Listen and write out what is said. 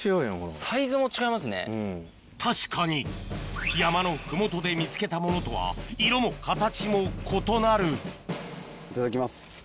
確かに山の麓で見つけたものとは色も形も異なるいただきます。